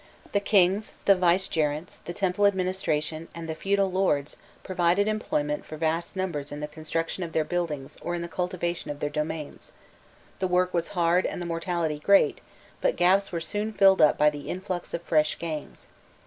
The kings, the vicegerents, the temple administration, and the feudal lords, provided employment for vast numbers in the construction of their buildings or in the cultivation of their domains; the work was hard and the mortality great, but gaps were soon filled up by the influx of fresh gangs.